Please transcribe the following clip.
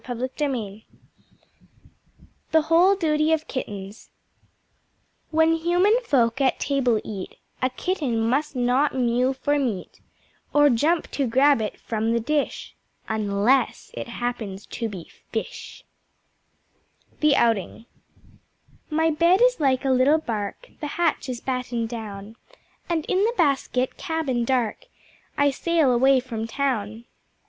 The Whole Duty of Kittens When Human Folk at Table eat, A Kitten must not mew for meat, Or jump to grab it from the Dish, (Unless it happens to be fish). The Outing My Bed is like a little Bark, The hatch is battened down, And in the basket cabin dark I sail away from Town.